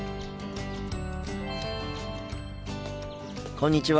こんにちは。